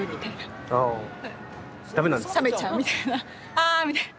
あみたいな。